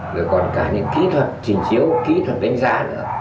rồi còn cả những kỹ thuật trình chiếu kỹ thuật đánh giá nữa